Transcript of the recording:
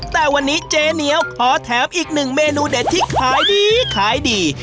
แต่วันนี้เจ๊เหนียวขอแถมอีกหนึ่งเมนูเด็ดที่ขายดีขายดี